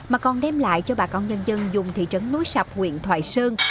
mà còn đem lại cho bà con dân dân dùng thị trấn núi sạp quyền thoại sơn